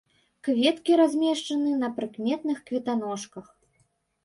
Кветкі размешчаны на прыкметных кветаножках.